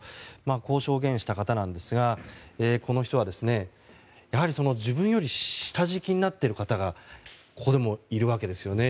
こう証言した方なんですがこの人は、やはり自分より下敷きになっている方がここでもいるわけですよね。